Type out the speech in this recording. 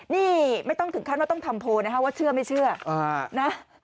นี่ไม่ต้องถึงขั้นว่าต้องทำโพลนะคะว่าเชื่อไม่เชื่อนะ